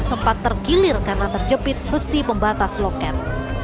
sempat tergilir karena terjepit besi pembatas loket